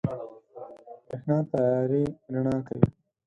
برېښنا تيارې رڼا کوي.